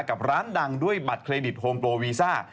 กับร้านดังด้วยบัตรเครดิตโฮมโปรวีซ่า